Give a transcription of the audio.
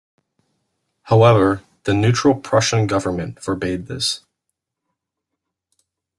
However, the neutral Prussian government forbade this.